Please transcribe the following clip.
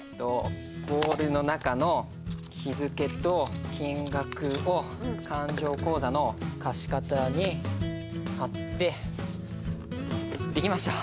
ボールの中の日付と金額を勘定口座の貸方に貼ってできました。